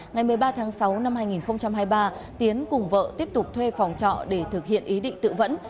ngày một mươi ba tháng sáu năm hai nghìn hai mươi ba tiến cùng vợ tiếp tục thuê phòng trọ để thực hiện ý định tự vẫn